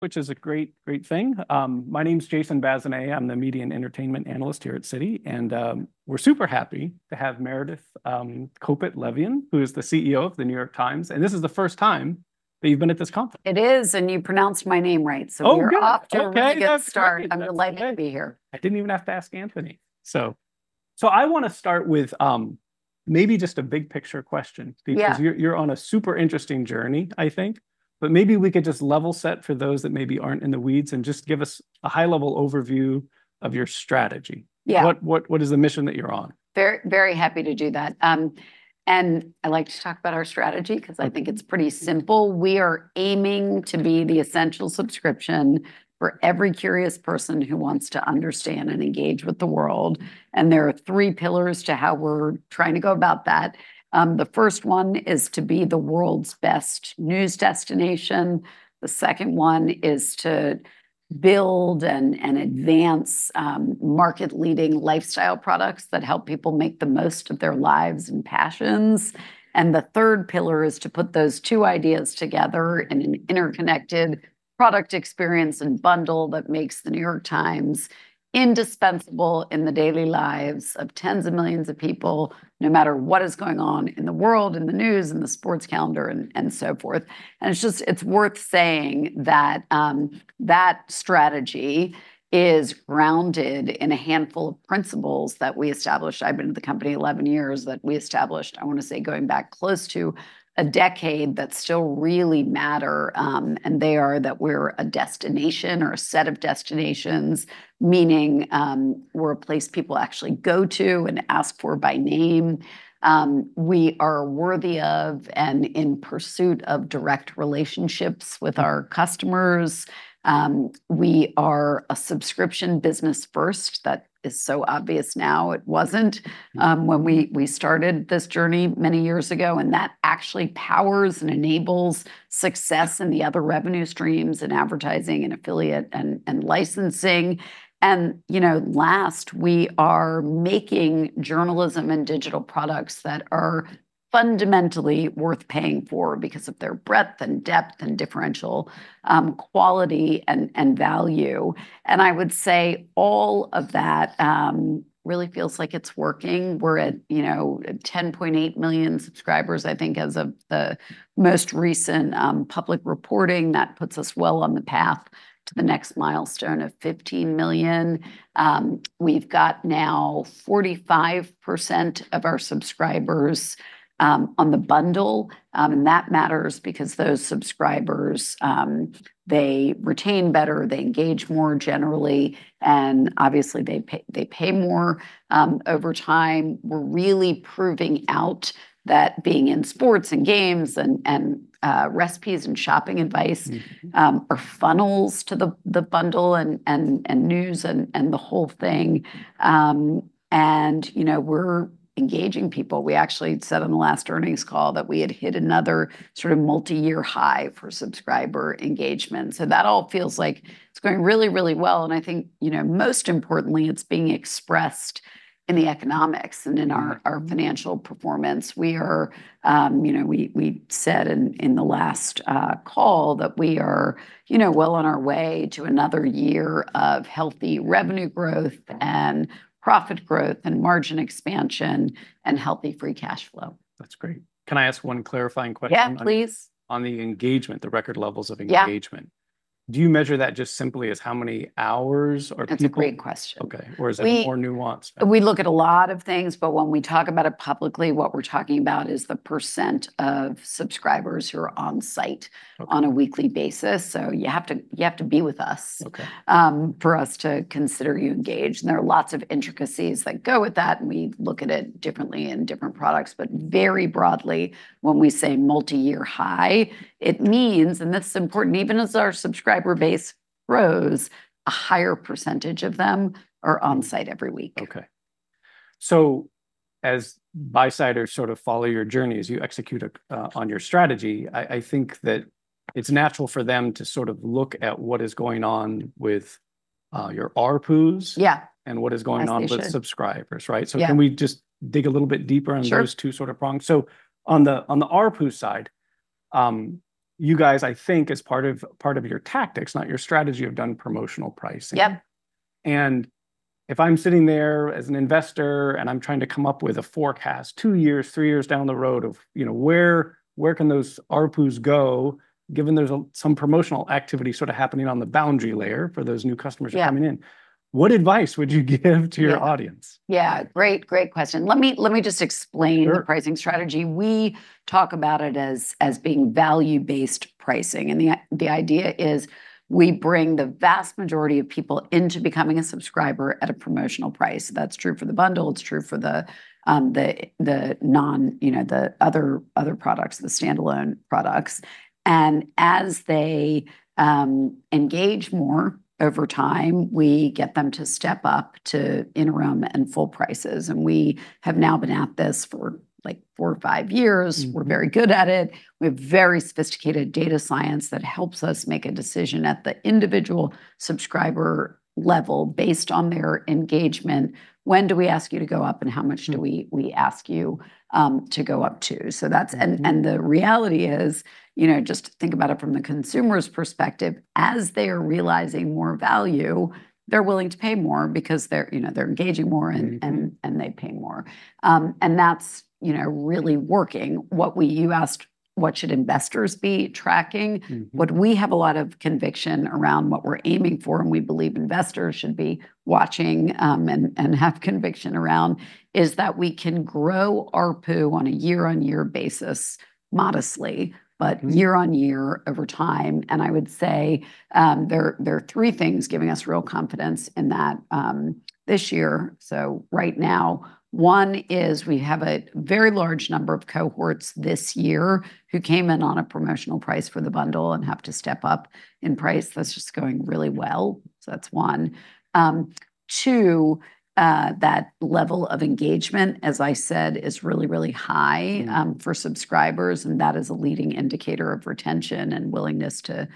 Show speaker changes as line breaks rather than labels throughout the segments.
Which is a great, great thing. My name's Jason Bazinet. I'm the media and entertainment analyst here at Citi, and we're super happy to have Meredith Kopit Levien, who is the CEO of The New York Times, and this is the first time that you've been at this conference.
It is, and you pronounced my name right, so.
Oh, good!
We're off to a good start.
Okay, that's great.
I'm delighted to be here.
I didn't even have to ask Anthony. So, I wanna start with, maybe just a big picture question?
Yeah
Because you're on a super interesting journey, I think. But maybe we could just level set for those that maybe aren't in the weeds, and just give us a high-level overview of your strategy.
Yeah.
What is the mission that you're on?
Very, very happy to do that. And I'd like to talk about our strategy, 'cause I think it's pretty simple. We are aiming to be the essential subscription for every curious person who wants to understand and engage with the world, and there are three pillars to how we're trying to go about that. The first one is to be the world's best news destination. The second one is to build and advance market-leading lifestyle products that help people make the most of their lives and passions. And the third pillar is to put those two ideas together in an interconnected product experience and bundle that makes The New York Times indispensable in the daily lives of tens of millions of people, no matter what is going on in the world, in the news, in the Sports calendar, and so forth. And it's just it's worth saying that that strategy is grounded in a handful of principles that we established, I've been at the company 11 years, that we established, I want to say, going back close to a decade, that still really matter. And they are that we're a destination or a set of destinations, meaning, we're a place people actually go to and ask for by name. We are worthy of and in pursuit of direct relationships with our customers. We are a subscription business first. That is so obvious now. It wasn't we started this journey many years ago, and that actually powers and enables success in the other revenue streams, in advertising and affiliate and licensing. You know, lastly, we are making journalism and digital products that are fundamentally worth paying for because of their breadth and depth and differential quality and value. I would say all of that really feels like it's working. We're at, you know, 10.8 million subscribers, I think, as of the most recent public reporting. That puts us well on the path to the next milestone of 15 million. We've got now 45% of our subscribers on the bundle, and that matters because those subscribers retain better, they engage more generally, and obviously, they pay more over time. We're really proving out that being in Sports and Games and recipes and shopping advice.
Mm-hmm
Are funnels to the bundle and news and the whole thing. And, you know, we're engaging people. We actually said on the last earnings call that we had hit another sort of multi-year high for subscriber engagement, so that all feels like it's going really, really well, and I think, you know, most importantly, it's being expressed in the economics and in our-
Mm
Our financial performance. We are. You know, we said in the last call that we are, you know, well on our way to another year of healthy revenue growth and profit growth and margin expansion and healthy free cash flow.
That's great. Can I ask one clarifying question?
Yeah, please.
On the engagement, the record levels of engagement.
Yeah.
Do you measure that just simply as how many hours or people?
That's a great question.
Okay.
We-
Or is it more nuanced?
We look at a lot of things, but when we talk about it publicly, what we're talking about is the percent of subscribers who are on-site-
Okay
On a weekly basis. So you have to, you have to be with us-
Okay
For us to consider you engaged. And there are lots of intricacies that go with that, and we look at it differently in different products. But very broadly, when we say multi-year high, it means, and this is important, even as our subscriber base grows, a higher percentage of them are on-site every week.
Okay. So as buy-siders sort of follow your journey, as you execute on your strategy, I think that it's natural for them to sort of look at what is going on with your ARPUs.
Yeah
And what is going on-
As they should.
With subscribers, right?
Yeah.
So can we just dig a little bit deeper on-
Sure
Thoose two sort of prongs? So on the ARPU side, you guys, I think, as part of your tactics, not your strategy, have done promotional pricing.
Yep.
And if I'm sitting there as an investor, and I'm trying to come up with a forecast two years, three years down the road of, you know, where, where can those ARPUs go, given there's a, some promotional activity sort of happening on the boundary layer for those new customers-
Yeah
Coming in? What advice would you give to your audience?
Yeah, great, great question. Let me, let me just explain-
Sure
The pricing strategy. We talk about it as, as being value-based pricing, and the idea is we bring the vast majority of people into becoming a subscriber at a promotional price. That's true for the bundle, it's true for the non- you know, the other products, the standalone products. And as they engage more over time, we get them to step up to interim and full prices, and we have now been at this for, like, four or five years.
Mm.
We're very good at it. We have very sophisticated data science that helps us make a decision at the individual subscriber level, based on their engagement. When do we ask you to go up, and how much do we-
Mm
We ask you, to go up to? So that's-
Mm.
The reality is, you know, just think about it from the consumer's perspective, as they are realizing more value, they're willing to pay more because they're, you know, they're engaging more-
Mm
And they pay more. And that's, you know, really working. You asked, what should investors be tracking?
Mm-hmm.
What we have a lot of conviction around what we're aiming for, and we believe investors should be watching, and have conviction around, is that we can grow ARPU on a year-on-year basis modestly-
Mm
But year on year, over time. And I would say, there are three things giving us real confidence in that, this year, so right now. One is we have a very large number of cohorts this year who came in on a promotional price for the bundle and have to step up in price. That's just going really well, so that's one. Two, that level of engagement, as I said, is really, really high-
Mm
For subscribers, and that is a leading indicator of retention and willingness to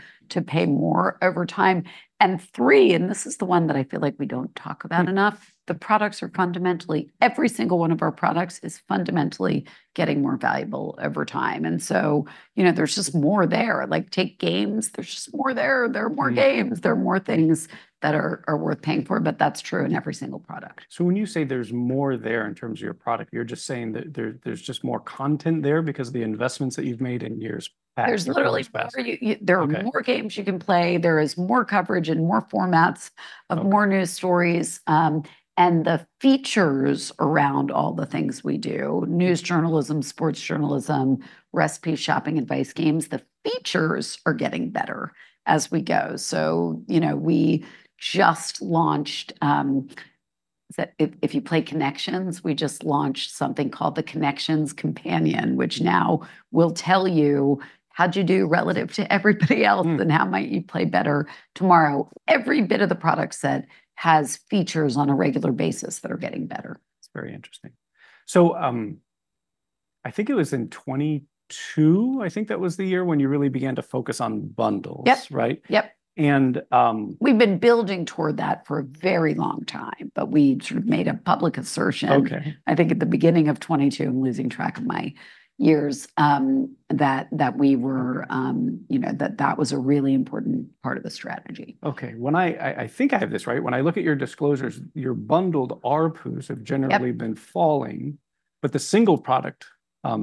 pay more over time, and three, and this is the one that I feel like we don't talk about enough-
Mm
The products are fundamentally, every single one of our products is fundamentally getting more valuable over time, and so, you know, there's just more there. Like, take Games, there's just more there. There are more Games-
Mm
There are more things that are worth paying for, but that's true in every single product.
So when you say there's more there in terms of your product, you're just saying that there's just more content there because of the investments that you've made in years past or most past?
There's literally more you...
Okay.
There are more Games you can play. There is more coverage and more formats.
Okay
Of more news stories, and the features around all the things we do, news journalism, Sports journalism, recipe, shopping, advice, Games, the features are getting better as we go. So, you know, we just launched. If you play Connections, we just launched something called the Connections Companion, which now will tell you, how'd you do relative to everybody else-
Mm
And how might you play better tomorrow? Every bit of the product set has features on a regular basis that are getting better.
It's very interesting. So, I think it was in 2022, I think that was the year, when you really began to focus on bundles-
Yep.
Right?
Yep.
And, um-
We've been building toward that for a very long time, but we sort of made a public assertion-
Okay
I think at the beginning of 2022, I'm losing track of my years, that we were, you know, that was a really important part of the strategy.
Okay. When I think I have this right. When I look at your disclosures, your bundled ARPUs have generally-
Yep
Been falling, but the single product,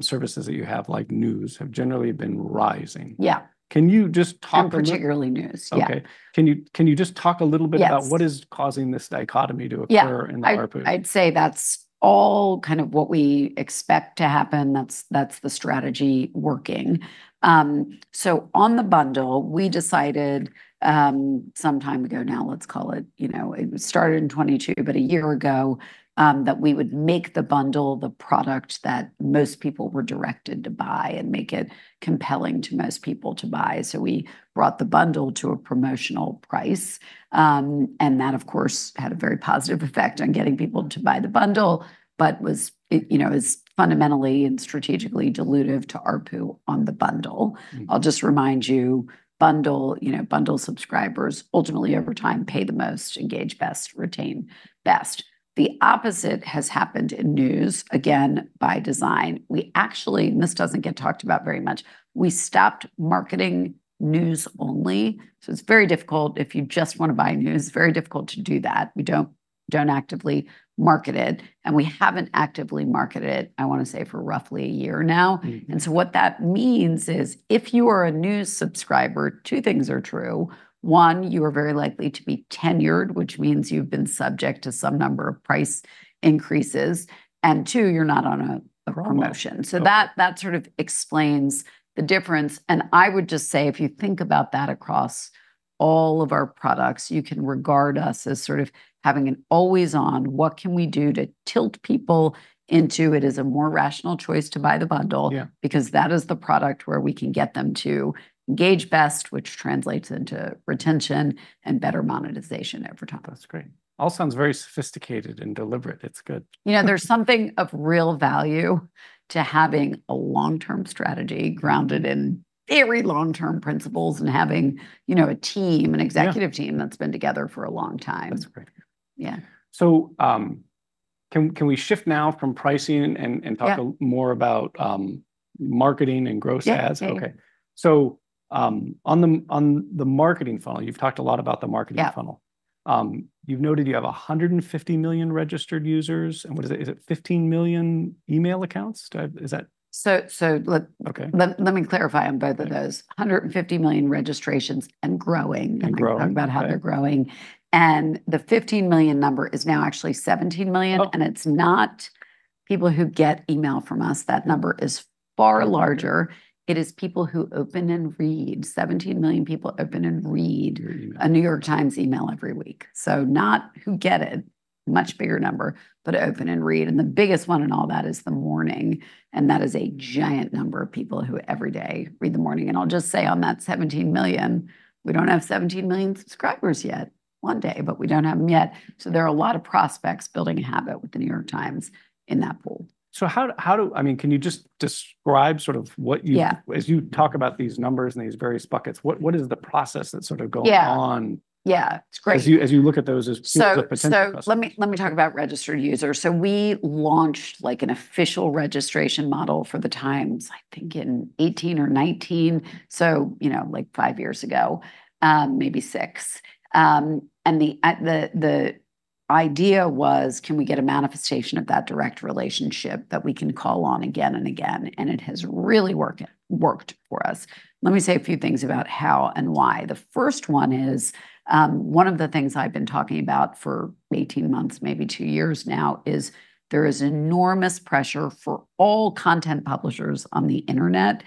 services that you have, like news, have generally been rising.
Yeah.
Can you just talk about-
Particularly news. Yeah.
Okay. Can you just talk a little bit about?
Yes
What is causing this dichotomy to occur?
Yeah
In the ARPU?
I'd say that's all kind of what we expect to happen. That's the strategy working. So on the bundle, we decided, some time ago now, let's call it, you know, it was started in 2022, but a year ago, that we would make the bundle the product that most people were directed to buy and make it compelling to most people to buy. So we brought the bundle to a promotional price, and that, of course, had a very positive effect on getting people to buy the bundle. But it, you know, is fundamentally and strategically dilutive to ARPU on the bundle.
Mm.
I'll just remind you, bundle, you know, bundle subscribers, ultimately, over time-
Mm
Pay the most, engage best, retain best. The opposite has happened in news, again, by design. We actually, and this doesn't get talked about very much, we stopped marketing news only. So it's very difficult if you just want to buy news, very difficult to do that. We don't actively market it, and we haven't actively marketed it, I want to say, for roughly a year now.
Mm-hmm.
And so what that means is, if you are a news subscriber, two things are true. One, you are very likely to be tenured, which means you've been subject to some number of price increases, and two, you're not on a promotion.
Okay.
So that sort of explains the difference, and I would just say, if you think about that across all of our products, you can regard us as sort of having an always on, what can we do to tilt people into it as a more rational choice to buy the bundle?
Yeah.
Because that is the product where we can get them to engage best, which translates into retention and better monetization over time.
That's great. All sounds very sophisticated and deliberate. It's good.
You know, there's something of real value to having a long-term strategy grounded in very long-term principles and having, you know, a team-
Yeah
An executive team that's been together for a long time.
That's great.
Yeah.
Can we shift now from pricing and?
Yeah
Talk a more about, marketing and gross adds?
Yeah, yeah.
Okay. So, on the marketing funnel, you've talked a lot about the marketing funnel.
Yeah.
You've noted you have 150 million registered users, and what is it? Is it 15 million email accounts? Is that-
So, so let-
Okay.
Let me clarify on both of those.
Okay.
150 million registrations and growing.
And growing.
We talked about how they're growing, and the 15 million number is now actually 17 million-
Oh!
and it's not people who get email from us. That number is far larger.
Okay.
It is people who open and read. Seventeen million people open and read-
Your email
A New York Times email every week. So not who gets it, a much bigger number, but open and read, and the biggest one in all that is The Morning. And that is a giant number of people who, every day, read The Morning. And I'll just say on that 17 million, we don't have 17 million subscribers yet. One day, but we don't have them yet. So there are a lot of prospects building a habit with The New York Times in that pool.
So how do I mean, can you just describe sort of what you-
Yeah
As you talk about these numbers and these various buckets, what is the process that's sort of going on?
Yeah. Yeah, it's great.
As you look at those as potential customers.
Let me talk about registered users. We launched, like, an official registration model for the Times, I think, in 2018 or 2019, so, you know, like five years ago, maybe six. And the idea was, can we get a manifestation of that direct relationship that we can call on again and again? And it has really worked for us. Let me say a few things about how and why. The first one is, one of the things I've been talking about for 18 months, maybe two years now, is there is enormous pressure for all content publishers on the internet,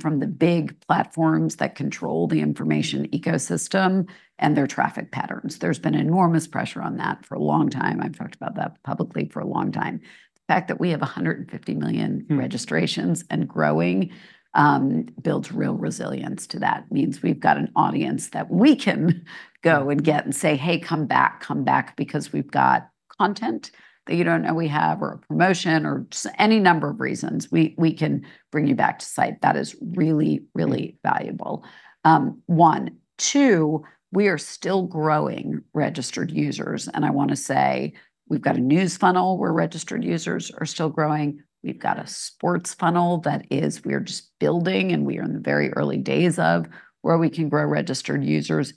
from the big platforms that control the information ecosystem and their traffic patterns. There's been enormous pressure on that for a long time. I've talked about that publicly for a long time. The fact that we have 150 million-
Mm
Registrations and growing builds real resilience to that. Means we've got an audience that we can go and get and say, "Hey, come back, come back, because we've got content that you don't know we have, or a promotion," or any number of reasons we can bring you back to site. That is really, really valuable one. Two, we are still growing registered users, and I wanna say we've got a news funnel, where registered users are still growing. We've got a Sports funnel that is, we are just building, and we are in the very early days of where we can grow registered users.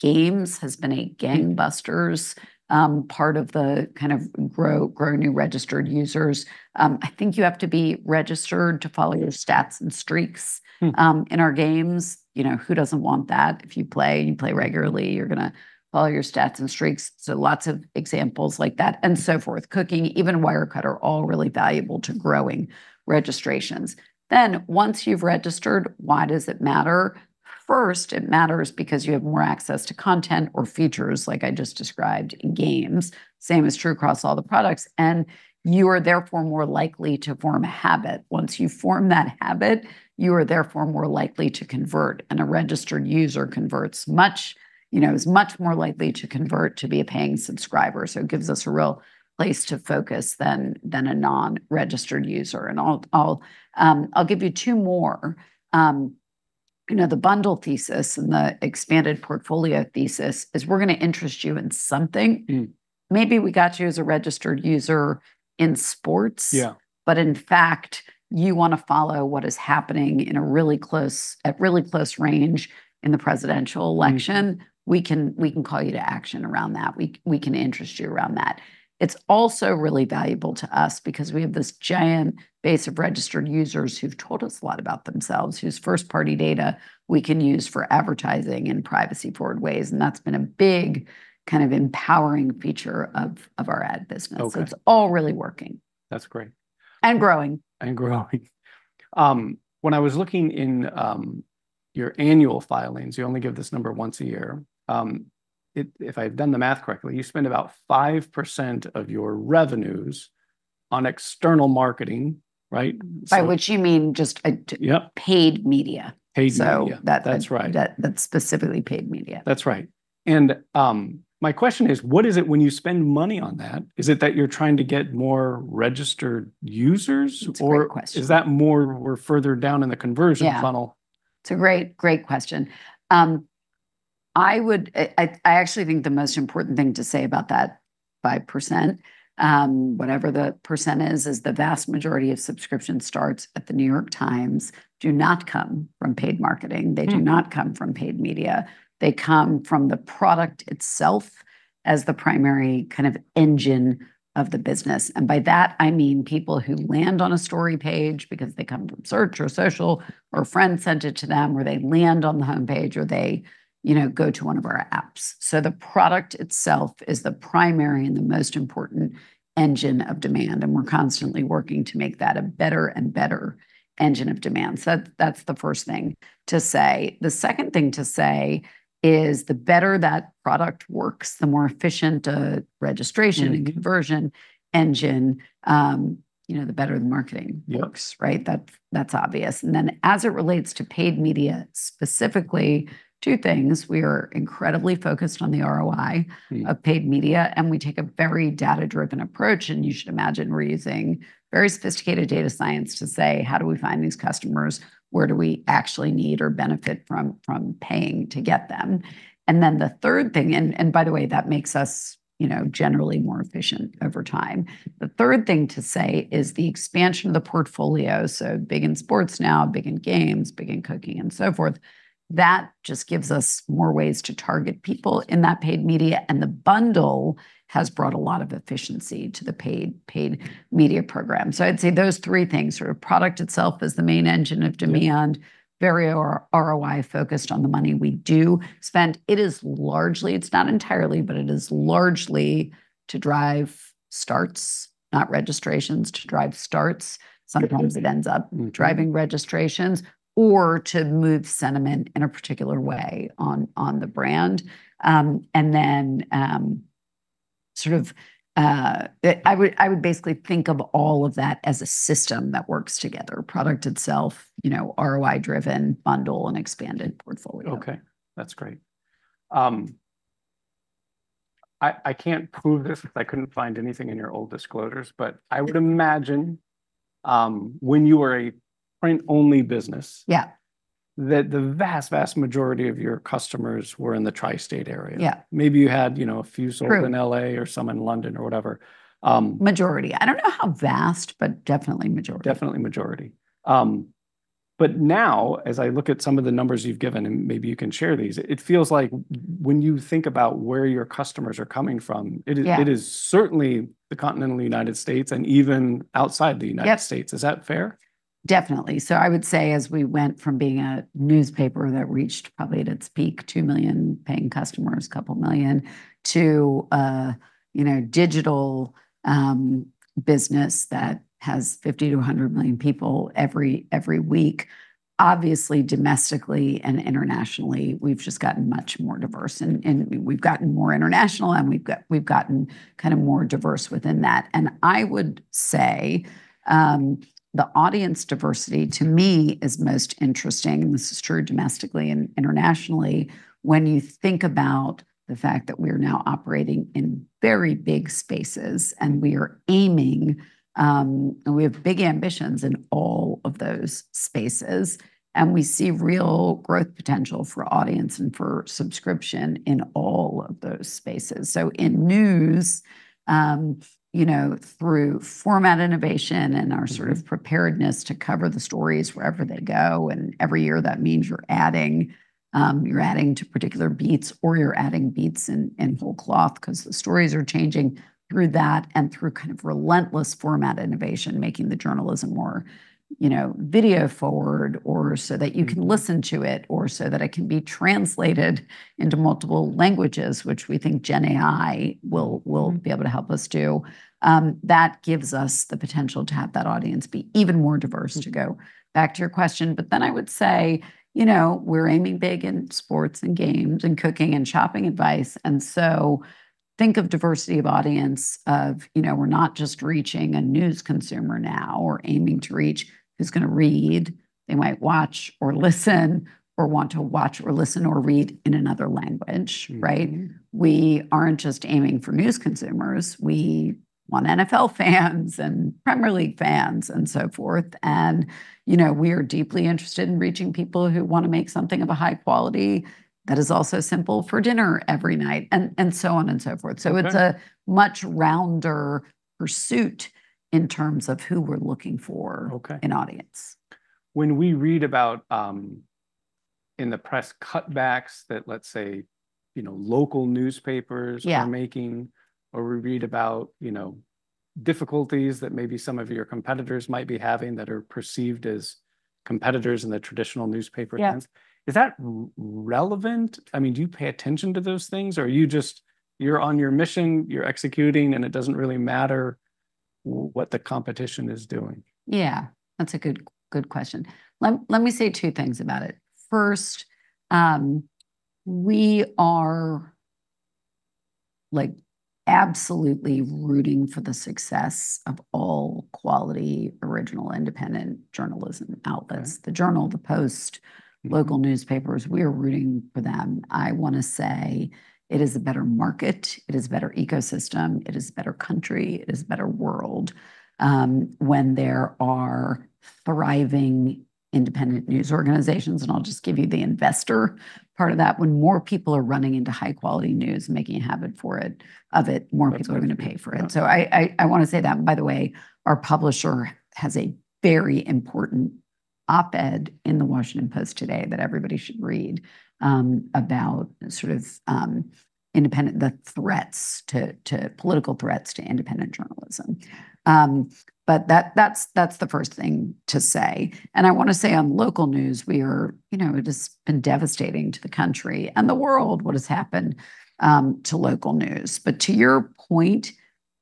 Games has been a gangbusters part of the kind of grow new registered users. I think you have to be registered to follow your stats and streaks-
Mm
In our Games. You know, who doesn't want that? If you play, and you play regularly, you're gonna follow your stats and streaks, so lots of examples like that, and so forth. Cooking, even Wirecutter, are all really valuable to growing registrations. Then, once you've registered, why does it matter? First, it matters because you have more access to content or features, like I just described in Games. Same is true across all the products, and you are therefore more likely to form a habit. Once you form that habit, you are therefore more likely to convert, and a registered user converts much, you know, is much more likely to convert to be a paying subscriber. So it gives us a real place to focus than a non-registered user. And I'll give you two more. You know, the bundle thesis and the expanded portfolio thesis is, we're gonna interest you in something.
Mm.
Maybe we got you as a registered user in Sports-
Yeah
But in fact, you wanna follow what is happening at really close range in the presidential election.
Mm.
We can call you to action around that. We can interest you around that. It's also really valuable to us because we have this giant base of registered users who've told us a lot about themselves, whose first-party data we can use for advertising in privacy-forward ways, and that's been a big, kind of empowering feature of our ad business.
Okay.
So it's all really working.
That's great.
And growing.
And growing. When I was looking in your annual filings, you only give this number once a year. If I've done the math correctly, you spend about 5% of your revenues on external marketing, right? So-
By which you mean just,
Yep
Paid media.
Paid media.
So that-
That's right
That, that's specifically paid media.
That's right. And, my question is, what is it when you spend money on that? Is it that you're trying to get more registered users? Or-
It's a great question.
Is that more we're further down in the conversion funnel?
Yeah. It's a great, great question. I actually think the most important thing to say about that 5%, whatever the % is, is the vast majority of subscription starts at The New York Times do not come from paid marketing.
Mm.
They do not come from paid media. They come from the product itself as the primary kind of engine of the business, and by that, I mean people who land on a story page because they come from search or social, or a friend sent it to them, or they land on the homepage, or they, you know, go to one of our apps. So the product itself is the primary and the most important engine of demand, and we're constantly working to make that a better and better engine of demand. So that, that's the first thing to say. The second thing to say is, the better that product works, the more efficient the registration-
Mm
And conversion engine, you know, the better the marketing works.
Yeah.
Right? That's, that's obvious, and then, as it relates to paid media, specifically, two things: We are incredibly focused on the ROI-
Mm
Of paid media, and we take a very data-driven approach, and you should imagine we're using very sophisticated data science to say, "How do we find these customers? Where do we actually need or benefit from paying to get them?" And then, the third thing. And by the way, that makes us, you know, generally more efficient over time. The third thing to say is the expansion of the portfolio, so big in Sports now, big in Games, big in Cooking, and so forth, that just gives us more ways to target people in that paid media. And the bundle has brought a lot of efficiency to the paid media program. So I'd say those three things, sort of product itself is the main engine of demand-
Yeah
Very ROI focused on the money we do spend. It is largely, it's not entirely, but it is largely to drive starts, not registrations, to drive starts.
Get visits.
Sometimes it ends up-
Mm
Driving registrations or to move sentiment in a particular way on the brand. And then sort of, I would basically think of all of that as a system that works together, product itself, you know, ROI-driven, bundle, and expanded portfolio.
Okay, that's great. I can't prove this because I couldn't find anything in your old disclosures, but I would imagine, when you were a print-only business-
Yeah
That the vast, vast majority of your customers were in the Tri-state area.
Yeah.
Maybe you had, you know, a few-
True
Sold in LA or some in London or whatever,
Majority. I don't know how vast, but definitely majority.
Definitely majority. But now, as I look at some of the numbers you've given, and maybe you can share these, it feels like when you think about where your customers are coming from, it is-
Yeah
It is certainly the Continental United States, and even outside the United States.
Yep.
Is that fair?
Definitely. So I would say, as we went from being a newspaper that reached, probably at its peak, two million paying customers, couple million, to, you know, digital business that has 50 to 100 million people every week, obviously, domestically and internationally, we've just gotten much more diverse.
Mm.
We've gotten more international, and we've gotten kinda more diverse within that. I would say the audience diversity, to me, is most interesting. This is true domestically and internationally, when you think about the fact that we are now operating in very big spaces, and we are aiming and we have big ambitions in all of those spaces. We see real growth potential for audience and for subscription in all of those spaces. So in news, you know, through format innovation and our-
Mm
Sort of preparedness to cover the stories wherever they go, and every year, that means you're adding to particular beats, or you're adding beats in full cloth. 'Cause the stories are changing through that and through kind of relentless format innovation, making the journalism more, you know, video-forward, or so that you can listen to it, or so that it can be translated into multiple languages, which we think Gen AI will be able to help us do. That gives us the potential to have that audience be even more diverse, to go back to your question. But then I would say, you know, we're aiming big in Sports, and Games, and Cooking, and shopping advice, and so think of diversity of audience, you know, we're not just reaching a news consumer now, or aiming to reach, who's gonna read. They might watch, or listen, or want to watch, or listen, or read in another language, right?
Mm.
We aren't just aiming for news consumers. We want NFL fans and Premier League fans, and so forth. You know, we are deeply interested in reaching people who wanna make something of a high quality, that is also simple for dinner every night, and so on, and so forth.
Okay.
So it's a much rounder pursuit in terms of who we're looking for-
Okay
In audience.
When we read about, in the press, cutbacks, that, let's say, you know, local newspapers-
Yeah
Are making, or we read about, you know, difficulties that maybe some of your competitors might be having, that are perceived as competitors in the traditional newspaper sense-
Yeah
Is that relevant? I mean, do you pay attention to those things, or you just, you're on your mission, you're executing, and it doesn't really matter what the competition is doing?
Yeah, that's a good, good question. Let me say two things about it. First, we are, like, absolutely rooting for the success of all quality, original, independent journalism outlets.
Right.
The Journal, The Post-
Mm
Local newspapers, we are rooting for them. I wanna say it is a better market, it is a better ecosystem, it is a better country, it is a better world, when there are thriving independent news organizations. And I'll just give you the investor part of that: When more people are running into high-quality news, and making a habit for it, of it, more people are gonna pay for it.
Yeah.
I wanna say that. By the way, our publisher has a very important op-ed in The Washington Post today that everybody should read about sort of independent, the threats to political threats to independent journalism. That's the first thing to say. I wanna say on local news, we are, you know, it has been devastating to the country and the world what has happened to local news. To your point,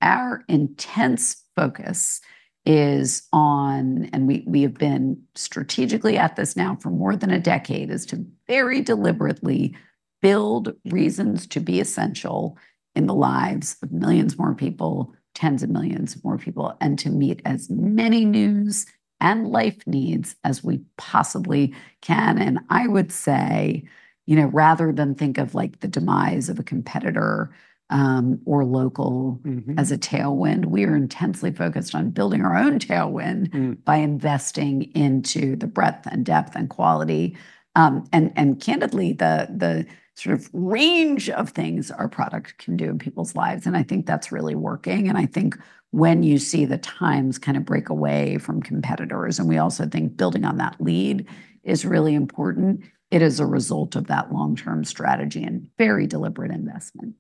our intense focus is on and we have been strategically at this now for more than a decade is to very deliberately build reasons to be essential in the lives of millions more people, tens of millions more people, and to meet as many news and life needs as we possibly can. I would say, you know, rather than think of, like, the demise of a competitor or local-
Mm-hmm
As a tailwind, we are intensely focused on building our own tailwind.
Mm
By investing into the breadth, and depth, and quality, and candidly, the sort of range of things our product can do in people's lives, and I think that's really working, and I think when you see the Times kinda break away from competitors, and we also think building on that lead is really important, it is a result of that long-term strategy and very deliberate investment.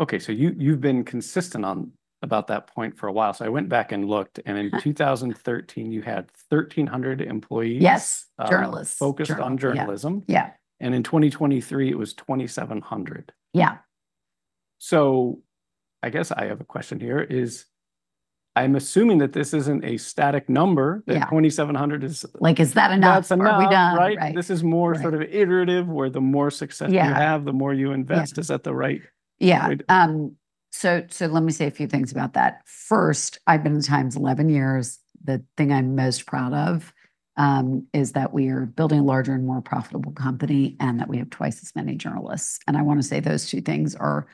Okay, so you've been consistent about that point for a while. So I went back and looked, and in 2013, you had 1,300 employees-
Yes, journalists.
Focused on journalism.
Yeah, yeah.
In 2023, it was 2,700.
Yeah.
So I guess I have a question here. I'm assuming that this isn't a static number.
Yeah.
that 2,700 is
Like, is that enough?
That's enough.
Are we done?
Right.
Right.
This is more-
Right
Sort of iterative, where the more success you have-
Yeah
The more you invest.
Yeah.
Is that the right-
Yeah.
Way to-
So, let me say a few things about that. First, I've been at the Times 11 years. The thing I'm most proud of is that we are building a larger and more profitable company, and that we have twice as many journalists. And I wanna say those two things are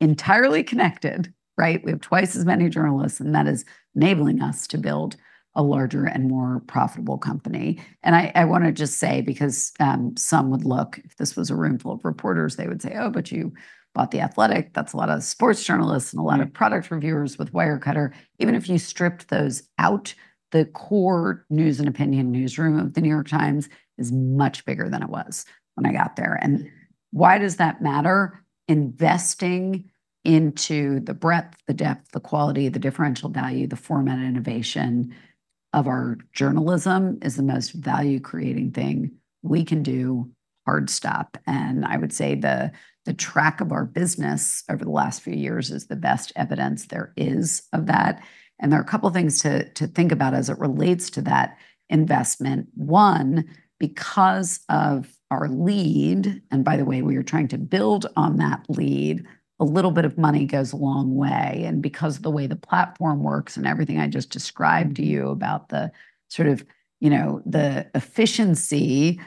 entirely connected, right? We have twice as many journalists, and that is enabling us to build a larger and more profitable company. And I wanna just say, because some would look—if this was a room full of reporters, they would say, "Oh, but you bought The Athletic. That's a lot of Sports journalists-
Yeah.
And a lot of product reviewers with Wirecutter. Even if you stripped those out, the core news and opinion newsroom of The New York Times is much bigger than it was when I got there. And why does that matter? Investing into the breadth, the depth, the quality, the differential value, the format innovation of our journalism is the most value-creating thing we can do, hard stop. And I would say the track of our business over the last few years is the best evidence there is of that. And there are a couple of things to think about as it relates to that investment. One, because of our lead, and by the way, we are trying to build on that lead, a little bit of money goes a long way. Because of the way the platform works and everything I just described to you about the sort of, you know, the efficiency of,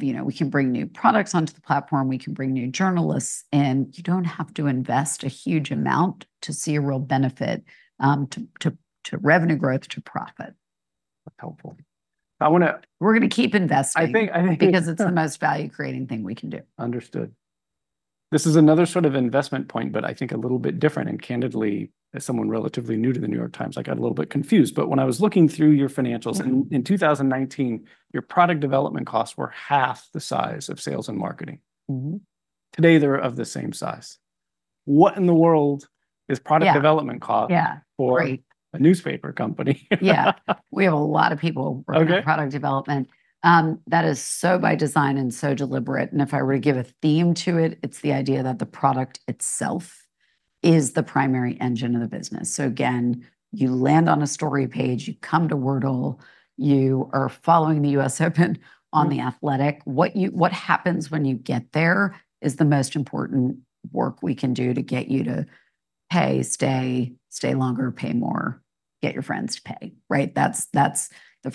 you know, we can bring new products onto the platform, we can bring new journalists, and you don't have to invest a huge amount to see a real benefit to revenue growth, to profit.
That's helpful. I wanna-
We're gonna keep investing.
I think -
Because it's the most value-creating thing we can do.
Understood. This is another sort of investment point, but I think a little bit different. And candidly, as someone relatively new to The New York Times, I got a little bit confused. But when I was looking through your financials.
Mm-hmm.
In 2019, your product development costs were half the size of sales and marketing.
Mm-hmm.
Today, they're of the same size. What in the world is product development cost-
Yeah, yeah
For-
Great
A newspaper company?
Yeah. We have a lot of people-
Okay
Working on product development. That is so by design and so deliberate, and if I were to give a theme to it, it's the idea that the product itself is the primary engine of the business. So again, you land on a story page, you come to Wordle, you are following the US Open on The Athletic. What-- what happens when you get there is the most important work we can do to get you to pay, stay, stay longer, pay more, get your friends to pay, right? That's the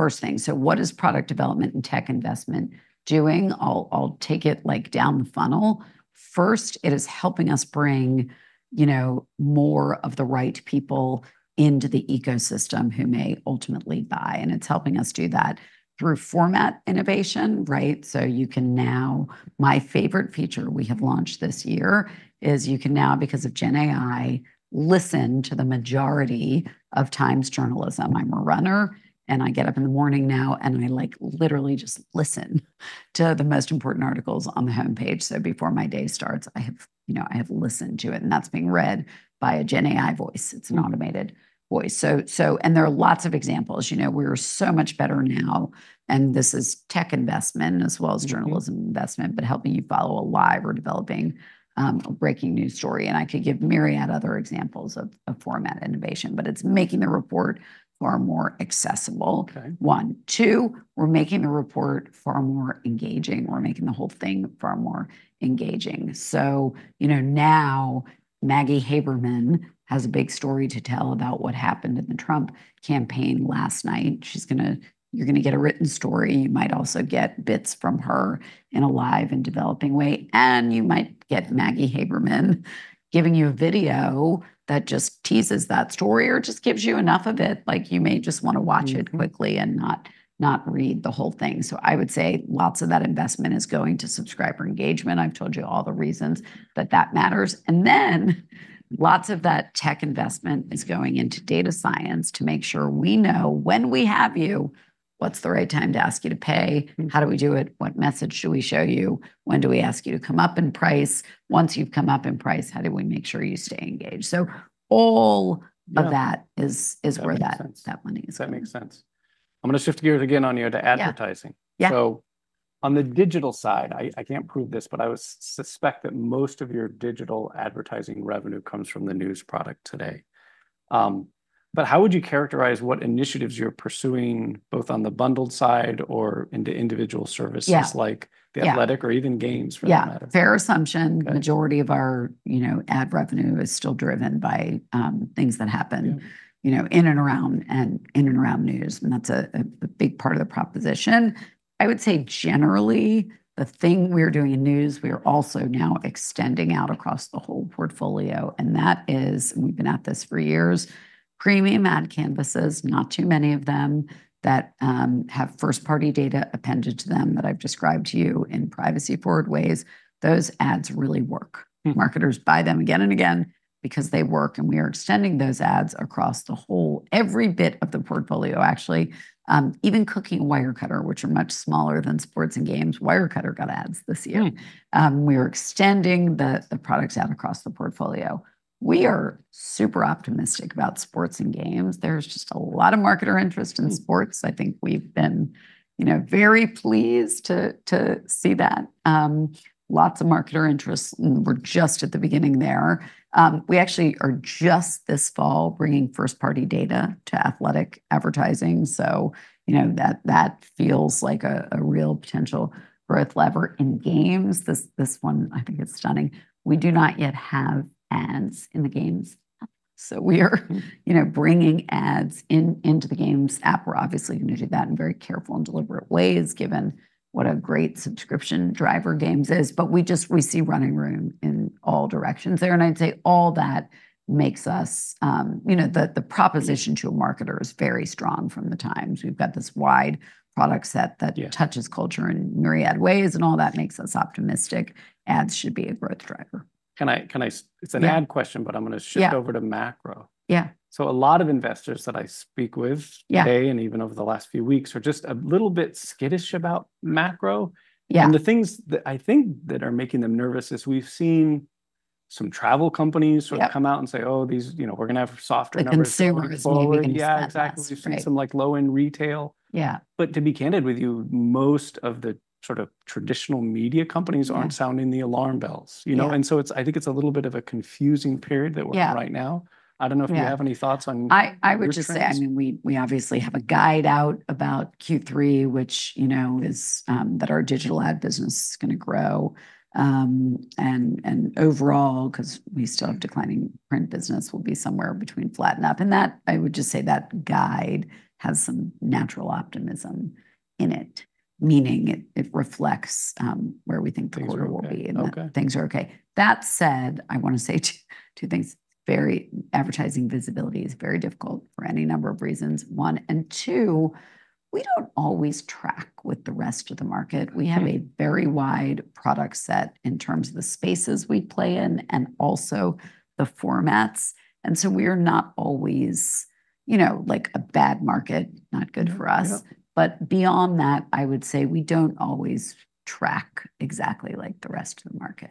first thing. So what is product development and tech investment doing? I'll take it, like, down the funnel. First, it is helping us bring, you know, more of the right people into the ecosystem, who may ultimately buy, and it's helping us do that through format innovation, right? So you can now... My favorite feature we have launched this year is you can now, because of Gen AI, listen to the majority of Times journalism. I'm a runner, and I get up in the morning now, and I, like, literally just listen to the most important articles on the homepage. So before my day starts, I have, you know, I have listened to it, and that's being read by a Gen AI voice.
Mm.
It's an automated voice. So, and there are lots of examples. You know, we are so much better now, and this is tech investment as well as journalism investment-
Mm
But helping you follow a live or developing a breaking news story, and I could give myriad other examples of format innovation, but it's making the report far more accessible-
Okay
One. Two, we're making the report far more engaging. We're making the whole thing far more engaging. So, you know, now Maggie Haberman has a big story to tell about what happened in the Trump campaign last night. She's gonna. You're gonna get a written story. You might also get bits from her in a live and developing way, and you might get Maggie Haberman giving you a video that just teases that story or just gives you enough of it. Like, you may just wanna watch it.
Mm-hmm
Quickly and not read the whole thing. So I would say lots of that investment is going to subscriber engagement. I've told you all the reasons, but that matters. And then, lots of that tech investment is going into data science to make sure we know, when we have you, what's the right time to ask you to pay?
Mm.
How do we do it? What message should we show you? When do we ask you to come up in price? Once you've come up in price, how do we make sure you stay engaged? So all-
Yeah
Of that is where that-
That makes sense.
That money is going.
That makes sense. I'm gonna shift gears again on you to advertising.
Yeah, yeah.
So on the digital side, I can't prove this, but I would suspect that most of your digital advertising revenue comes from the news product today. But how would you characterize what initiatives you're pursuing, both on the bundled side or into individual services-
Yeah
Like The Athletic-
Yeah
Or even Games, for that matter?
Yeah, fair assumption.
Okay.
Majority of our, you know, ad revenue is still driven by things that happen-
Yeah
You know, in and around news, and that's a big part of the proposition. I would say, generally, the thing we are doing in news, we are also now extending out across the whole portfolio, and that is, and we've been at this for years, premium ad canvases, not too many of them, that have first-party data appended to them, that I've described to you, in privacy-forward ways. Those ads really work.
Mm.
Marketers buy them again and again because they work, and we are extending those ads across the whole, every bit of the portfolio, actually. Even Cooking, Wirecutter, which are much smaller than Sports and Games, Wirecutter got ads this year.
Mm.
We are extending the products out across the portfolio. We are super optimistic about Sports and Games. There's just a lot of marketer interest in Sports.
Mm.
I think we've been, you know, very pleased to see that. Lots of marketer interest, and we're just at the beginning there. We actually are just this fall bringing first-party data to The Athletic advertising, so you know, that feels like a real potential growth lever. In Games, this one, I think it's stunning, we do not yet have ads in the Games, so we are, you know, bringing ads in, into the Games app. We're obviously gonna do that in very careful and deliberate ways, given what a great subscription driver Games is. But we just see running room in all directions there, and I'd say all that makes us, you know, the proposition to a marketer is very strong from the Times. We've got this wide product set that-
Yeah
Touches culture in myriad ways, and all that makes us optimistic. Ads should be a growth driver.
Can I, can I s-
Yeah.
It's an ad question, but I'm gonna shift-
Yeah
Over to macro.
Yeah.
So a lot of investors that I speak with-
Yeah
Today, and even over the last few weeks, are just a little bit skittish about macro.
Yeah.
The things that I think that are making them nervous is we've seen some travel companies-
Yeah
Sort of come out and say, "Oh, these, you know, we're gonna have softer numbers-
The consumer is maybe gonna spend less.
Yeah, exactly.
Right.
We've seen some, like, low-end retail.
Yeah.
But to be candid with you, most of the sort of traditional media companies.
Yeah
Aren't sounding the alarm bells, you know?
Yeah.
And so I think it's a little bit of a confusing period that we're in right now.
Yeah.
I don't know if you have-
Yeah
Any thoughts on your trends?
I would just say, I mean, we obviously have a guide out about Q3, which, you know, is that our digital ad business is gonna grow, and overall, 'cause we still have declining print business, we'll be somewhere between flat and up, and that, I would just say that guide has some natural optimism in it, meaning it reflects where we think the quarter will be.
Things are okay. Okay.
Things are okay. That said, I wanna say two things. Very, advertising visibility is very difficult for any number of reasons, one, and two, we don't always track with the rest of the market.
Okay.
We have a very wide product set in terms of the spaces we play in, and also the formats, and so we are not always... You know, like a bad market, not good for us.
Yeah. Yeah.
But beyond that, I would say we don't always track exactly like the rest of the market.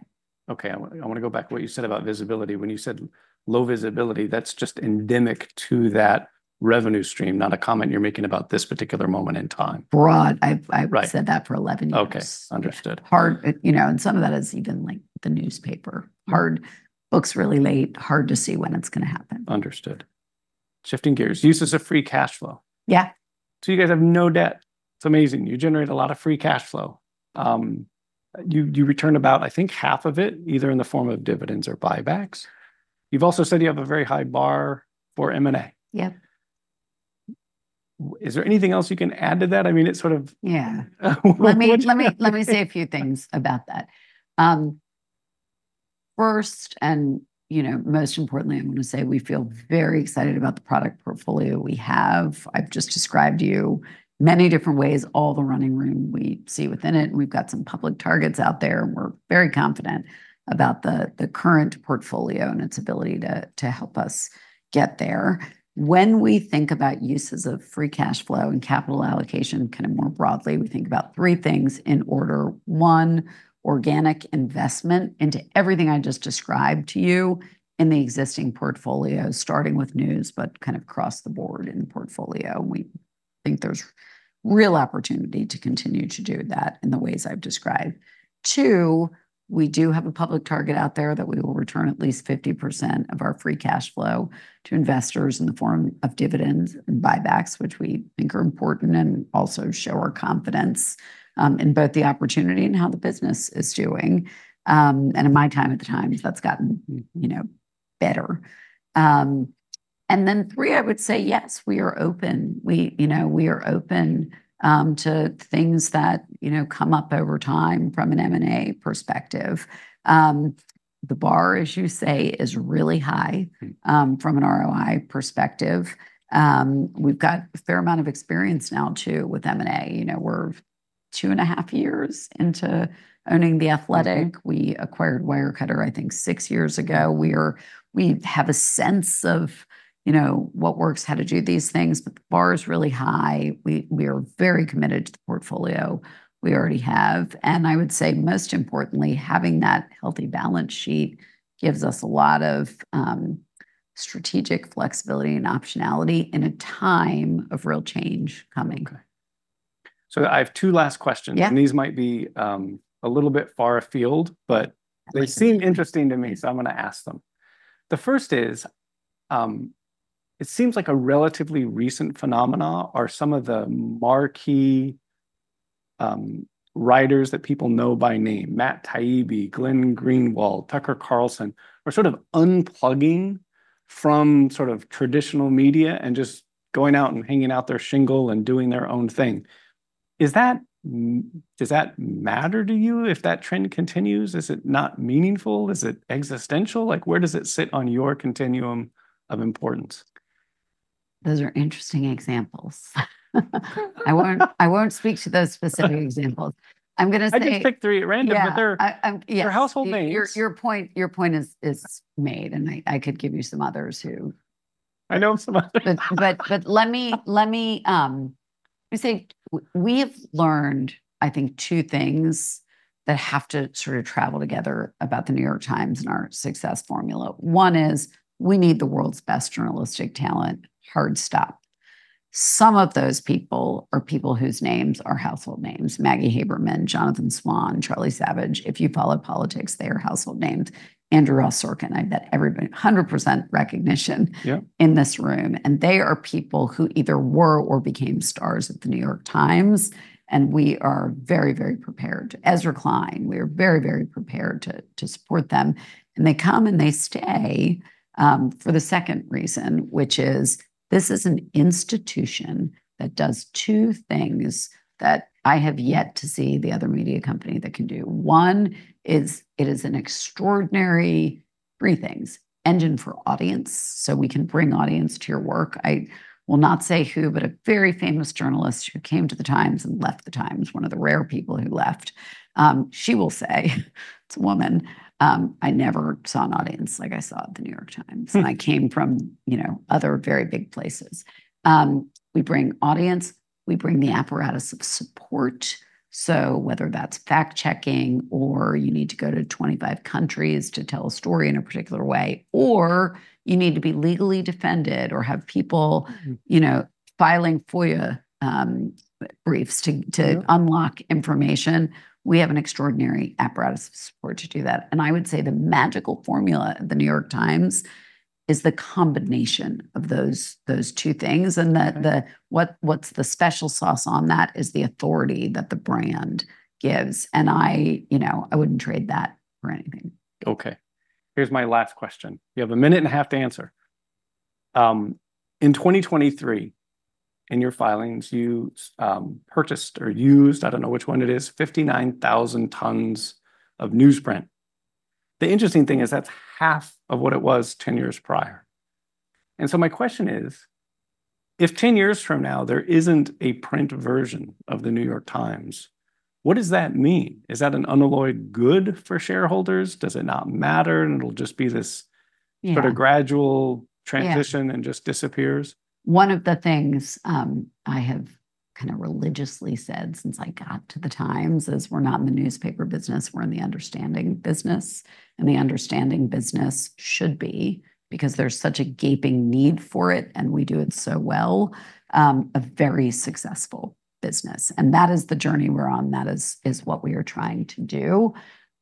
Okay, I wanna, I wanna go back to what you said about visibility. When you said low visibility, that's just endemic to that revenue stream, not a comment you're making about this particular moment in time.
Broad. I've-
Right
I've said that for 11 years.
Okay, understood.
You know, and some of that is even, like, the newspaper. Books really late, hard to see when it's gonna happen.
Understood. Shifting gears, uses of free cash flow.
Yeah.
You guys have no debt. It's amazing. You generate a lot of free cash flow. You return about, I think, half of it, either in the form of dividends or buybacks. You've also said you have a very high bar for M&A.
Yep.
Is there anything else you can add to that? I mean, it sort of-
Yeah.
What do you...
Let me say a few things about that. First, and, you know, most importantly, I'm gonna say we feel very excited about the product portfolio we have. I've just described to you many different ways, all the running room we see within it, and we've got some public targets out there, and we're very confident about the current portfolio and its ability to help us get there. When we think about uses of free cash flow and capital allocation, kind of more broadly, we think about three things in order. One, organic investment into everything I just described to you in the existing portfolio, starting with news, but kind of across the board in portfolio. We think there's real opportunity to continue to do that in the ways I've described. Two, we do have a public target out there that we will return at least 50% of our free cash flow to investors in the form of dividends and buybacks, which we think are important and also show our confidence in both the opportunity and how the business is doing, and in my time at the Times, that's gotten, you know, better, and then three, I would say, yes, we are open. We, you know, we are open to things that, you know, come up over time from an M&A perspective. The bar, as you say, is really high-
Mm
From an ROI perspective. We've got a fair amount of experience now, too, with M&A. You know, we're two and a half years into owning The Athletic.
Mm.
We acquired Wirecutter, I think, six years ago. We have a sense of, you know, what works, how to do these things, but the bar is really high. We are very committed to the portfolio we already have, and I would say, most importantly, having that healthy balance sheet gives us a lot of strategic flexibility and optionality in a time of real change coming.
Okay. So I have two last questions.
Yeah.
And these might be a little bit far afield, but-
That's okay
They seem interesting to me, so I'm gonna ask them. The first is, it seems like a relatively recent phenomenon are some of the marquee writers that people know by name, Matt Taibbi, Glenn Greenwald, Tucker Carlson, are sort of unplugging from sort of traditional media and just going out and hanging out their shingle and doing their own thing. Is that Does that matter to you if that trend continues? Is it not meaningful? Is it existential? Like, where does it sit on your continuum of importance?
Those are interesting examples. I won't speak to those specific examples. I'm gonna say-
I just picked three at random-
Yeah
But they're,
Yes
They're household names.
Your point is made, and I could give you some others who-
I know some others.
But let me. I think we have learned, I think, two things that have to sort of travel together about The New York Times and our success formula. One is, we need the world's best journalistic talent, hard stop. Some of those people are people whose names are household names, Maggie Haberman, Jonathan Swan, Charlie Savage. If you follow politics, they are household names. Andrew Ross Sorkin, I bet everybody, 100% recognition-
Yeah
In this room, and they are people who either were or became stars at The New York Times, and we are very, very prepared. Ezra Klein, we are very, very prepared to support them, and they come and they stay for the second reason, which is, this is an institution that does two things that I have yet to see the other media company that can do. One is, it is an extraordinary-... three things: engine for audience, so we can bring audience to your work. I will not say who, but a very famous journalist who came to the Times and left the Times, one of the rare people who left, she will say, it's a woman, "I never saw an audience like I saw at The New York Times.
Mm.
And I came from, you know, other very big places. We bring audience, we bring the apparatus of support. So whether that's fact-checking, or you need to go to 25 countries to tell a story in a particular way, or you need to be legally defended or have people-
Mm
You know, filing FOIA, briefs to
Yeah
Unlock information, we have an extraordinary apparatus of support to do that, and I would say the magical formula at The New York Times is the combination of those, those two things, and the-
Mm
What's the special sauce on that is the authority that the brand gives, and, you know, I wouldn't trade that for anything.
Okay. Here's my last question. You have a minute and a half to answer. In 2023, in your filings, you purchased or used, I don't know which one it is, 59,000 tons of newsprint. The interesting thing is that's half of what it was 10 years prior. And so my question is, if 10 years from now there isn't a print version of The New York Times, what does that mean? Is that an unalloyed good for shareholders? Does it not matter, and it'll just be this-
Yeah
Sort of gradual transition.
Yeah
And just disappears?
One of the things I have kinda religiously said since I got to the Times is, we're not in the newspaper business, we're in the understanding business. The understanding business should be, because there's such a gaping need for it, and we do it so well, a very successful business, and that is the journey we're on. That is what we are trying to do.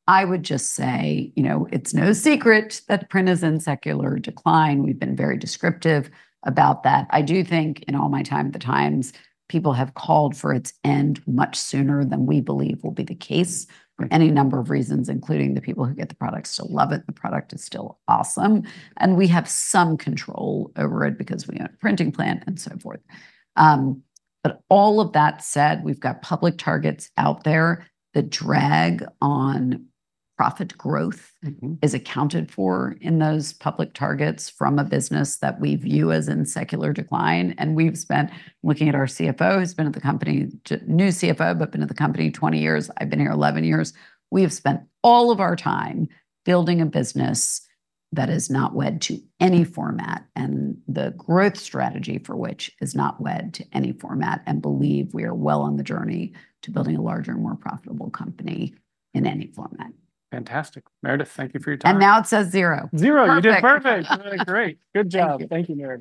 I would just say, you know, it's no secret that print is in secular decline. We've been very descriptive about that. I do think in all my time at the Times, people have called for its end much sooner than we believe will be the case.
Right
For any number of reasons, including the people who get the product still love it. The product is still awesome, and we have some control over it because we own a printing plant, and so forth. But all of that said, we've got public targets out there. The drag on profit growth-
Mm-hmm
Is accounted for in those public targets from a business that we view as in secular decline, and we've spent. Looking at our CFO, who's just new CFO, but been at the company 20 years. I've been here 11 years. We have spent all of our time building a business that is not wed to any format, and the growth strategy for which is not wed to any format, and believe we are well on the journey to building a larger, more profitable company in any format.
Fantastic. Meredith, thank you for your time.
Now it says zero.
Zero.
Perfect.
You did perfect! Great. Good job.
Thank you.
Thank you, Meredith.